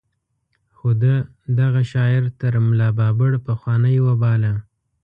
خو ده دغه شاعر تر ملا بابړ پخوانۍ وباله.